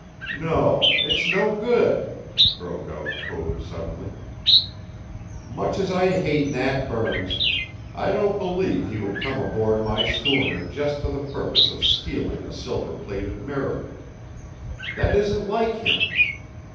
"No, it's no good!" broke out Code suddenly. "Much as I hate Nat Burns, I don't believe he would come aboard my schooner just for the purpose of stealing a silver plated mirror. That isn't like him.